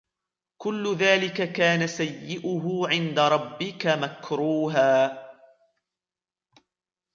كُلُّ ذَلِكَ كَانَ سَيِّئُهُ عِنْدَ رَبِّكَ مَكْرُوهًا